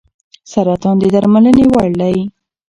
سرطان د درملنې وړ دی.